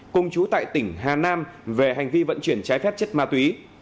cùng chú tại tỉnh hà nam về hành vi vận chuyển trái phép chất ma túy